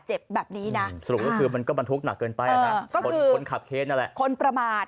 ใช่ค่ะคนขับเคศนั่นแหละคนประมาท